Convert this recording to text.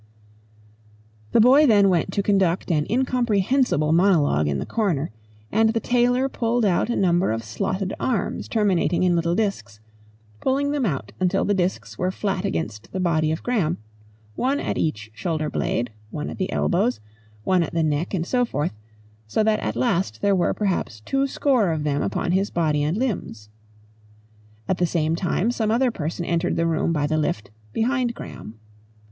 The boy then went to conduct an incomprehensible monologue in the corner, and the tailor pulled out a number of slotted arms terminating in little discs, pulling them out until the discs were flat against the body of Graham, one at each shoulder blade, one at the elbows, one at the neck and so forth, so that at last there were, perhaps, two score of them upon his body and limbs. At the same time, some other person entered the room by the lift, behind Graham.